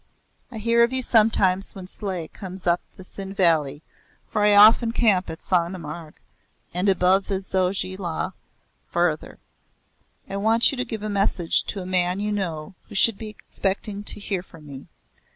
I hear of you sometimes when Sleigh comes up the Sind valley, for I often camp at Sonamarg and above the Zoji La and farther. I want you to give a message to a man you know who should be expecting to hear from me.